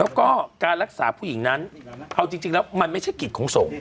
แล้วก็การรักษาผู้หญิงนั้นเอาจริงแล้วมันไม่ใช่กิจของสงฆ์